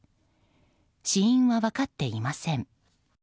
死因は分かっていません。